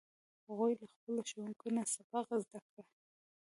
هغوی له خپلو ښوونکو نه سبق زده کوي